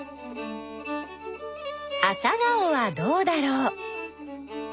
アサガオはどうだろう？